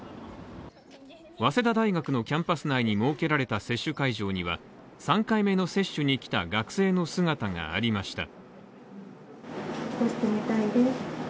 早稲田大学のキャンパス内に設けられた接種会場には３回目の接種に来た、学生の姿がありました。